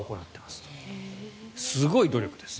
すごい努力です。